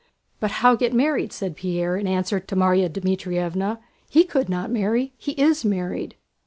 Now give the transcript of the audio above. "But how get married?" said Pierre, in answer to Márya Dmítrievna. "He could not marry—he is married!"